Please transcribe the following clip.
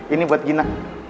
ini buat gina